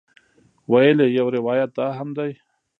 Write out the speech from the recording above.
ویل یې یو روایت دا هم دی.